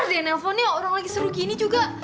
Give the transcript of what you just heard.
ntar deh handphone nih orang lagi seru gini juga